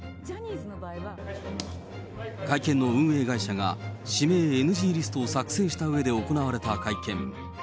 会見の運営会社が指名ＮＧリストを作成したうえで行われた会見。